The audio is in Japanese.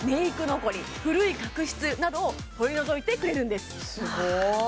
残り古い角質などを取り除いてくれるんですすごーい！